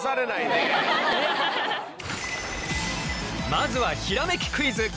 まずはひらめきクイズ。